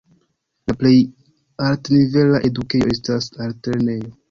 La plej altnivela edukejo estas altlernejo.